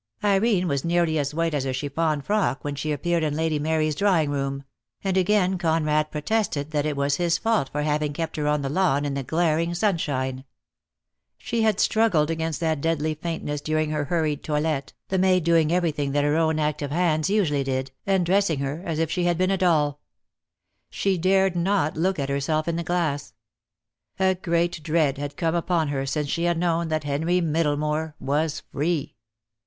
Irene was nearly as white as her chiffon frock when she appeared in Lady Mary's drawing room — and again Conrad protested that it was his fault for having kept her on the lawn in the glaring sunshine. She had struggled against that deadly faintness during her hurried toilet, the maid doing everything that her own active hands usually did, and dressing her as if she had been a doll. She DEAD LOVE HAS CHAINS. 217 dared not look at herself in the glass, A great dread had come upon her since she had known that Henry Middlemore was free.